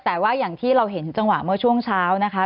แต่ว่าอย่างที่เราเห็นจังหวะเมื่อช่วงเช้านะคะ